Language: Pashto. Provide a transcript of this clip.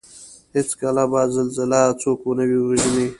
هېڅکله به زلزله څوک ونه وژني